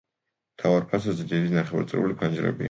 მთავარ ფასადზე დიდი ნახევარწრიული ფანჯრებია.